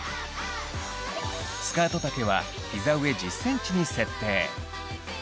スカート丈はヒザ上１０ｃｍに設定。